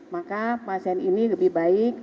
maka pasien ini lebih baik